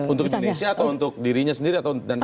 untuk indonesia atau untuk dirinya sendiri atau untuk amerika